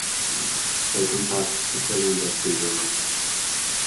They confessed to killing the two women.